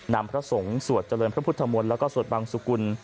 พระสงฆ์สวดเจริญพระพุทธมนต์แล้วก็สวดบังสุกุล